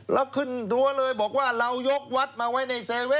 เราขึ้นด่วนเลยบอกว่าเรายกวัดมาไว้ใน๗๑๑